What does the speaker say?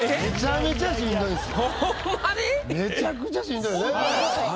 めちゃくちゃしんどいねっ？